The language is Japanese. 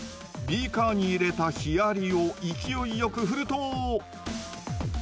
ビーカーに入れたヒアリを勢いよく振ると。